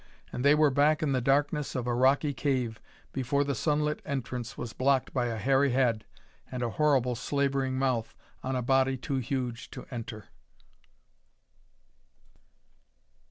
And they were back in the darkness of a rocky cave before the sunlit entrance was blocked by a hairy head and a horrible, slavering mouth on a body too huge to enter.